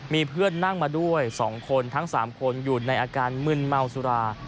มีเพื่อนนั่งมาด้วย๒คนทั้ง๓คนอยู่ในอาการมึนเมาสุรา